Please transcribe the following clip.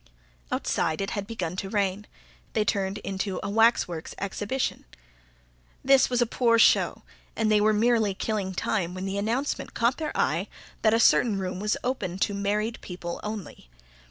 Outside it had begun to rain; they turned into a Waxworks Exhibition. This was a poor show, and they were merely killing time when the announcement caught their eye that a certain room was open to "Married People Only".